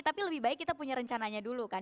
tapi lebih baik kita punya rencananya dulu kan